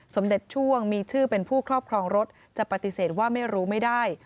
สมเด็จช่วงมีชื่อเป็นผู้ครอบครองรถจะปฏิเสธว่าไม่รู้ไม่ได้